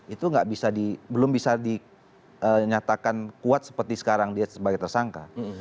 itu belum bisa dinyatakan kuat seperti sekarang dia sebagai tersangka